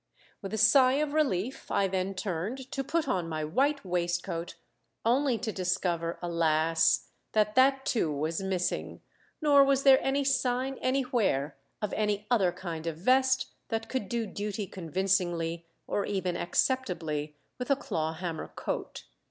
With a sigh of relief I then turned to put on my white waistcoat, only to discover, alas! that that too was missing, nor was there any sign anywhere of any other kind of vest that could do duty convincingly, or even acceptably, with a claw hammer coat.